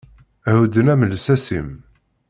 Hudden-am lsas-im.